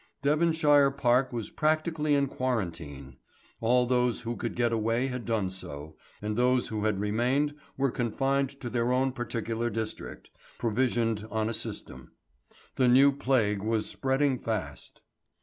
Devonshire Park was practically in quarantine. All those who could get away had done so, and those who had remained were confined to their own particular district, and provisioned on a system. The new plague was spreading fast.